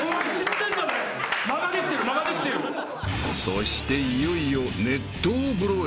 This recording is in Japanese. ［そしていよいよ熱湯風呂へ］